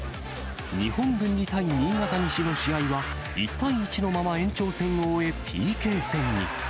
日本文理対新潟西の試合は、１対１のまま延長戦を終え、ＰＫ戦に。